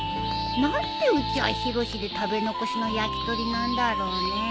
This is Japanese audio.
何でうちはヒロシで食べ残しの焼き鳥なんだろうね。